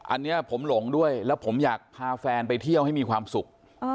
อันนี้ผมหลงด้วยแล้วผมอยากพาแฟนไปเที่ยวให้มีความสุข